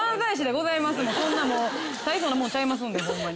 そんなもう大層なものちゃいますのでホンマに。